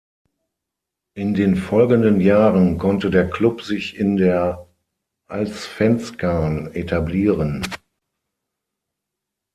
In den folgenden Jahren konnte der Klub sich in der Allsvenskan etablieren.